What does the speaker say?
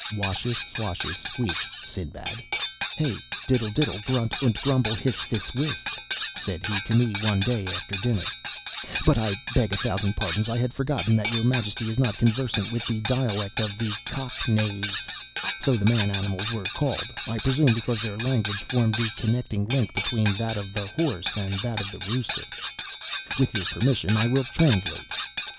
"'Washish squashish squeak, Sinbad, hey diddle diddle, grunt unt grumble, hiss, fiss, whiss,' said he to me, one day after dinner—but I beg a thousand pardons, I had forgotten that your majesty is not conversant with the dialect of the Cock neighs (so the man animals were called; I presume because their language formed the connecting link between that of the horse and that of the rooster). With your permission, I will translate.